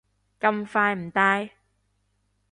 咁快唔戴？